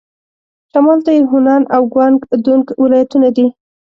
شمال ته یې هونان او ګوانګ دونګ ولايتونه دي.